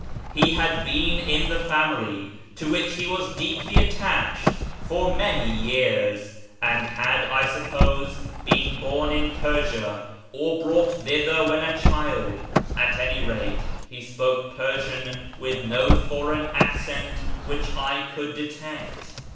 He had been in the family, to which he was deeply attached, for many years, and had, I suppose, been born in Persia or brought thither when a child ; at any rate he spoke Persian with no foreign accent which I could detect.